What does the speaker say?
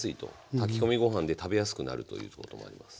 炊き込みご飯で食べやすくなるということもあります。